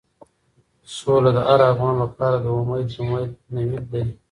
سوله د هر افغان لپاره د امید نوید دی.